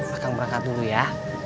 aku berangkat dulu ya